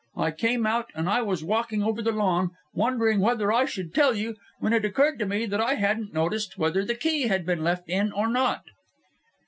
I came out, and I was walking over the lawn, wondering whether I should tell you, when it occurred to me that I hadn't noticed whether the key had been left in or not."